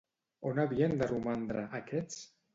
On havien de romandre, aquests?